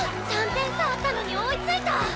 ３点差あったのに追いついた！